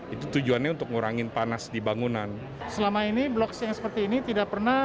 itu tujuannya untuk ngurangin panas di bangunan selama ini blok yang seperti ini tidak pernah